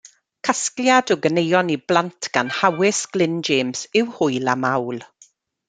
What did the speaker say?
Casgliad o ganeuon i blant gan Hawys Glyn James yw Hwyl a Mawl.